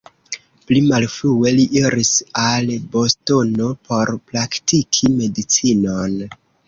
Pli malfrue li iris al Bostono por praktiki medicinon.